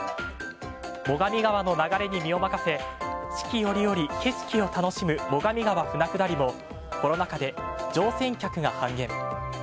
最上川の流れに身を任せ四季折々、景色を楽しむ最上川舟下りもコロナ禍で乗船客が半減。